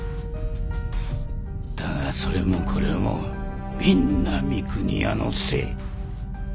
だがそれもこれもみんな三国屋のせい。